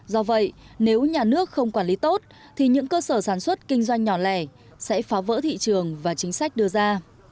do vậy nếu nhà nước không quản lý tốt thì những cơ sở sản xuất kinh doanh nhỏ lẻ sẽ phá vỡ thị trường và chính sách đưa ra